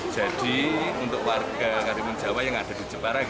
jadi untuk warga karimunjawa yang ada di jepara